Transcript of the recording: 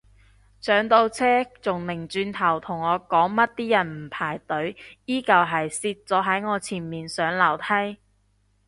上到車佢仲擰轉頭同我講乜啲人唔排隊，依舊係攝咗喺我前面上樓梯